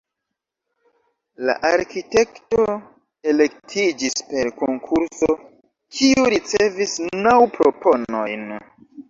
La arkitekto elektiĝis per konkurso, kiu ricevis naŭ proponojn.